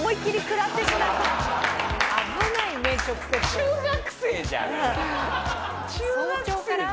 中学生じゃんこれ。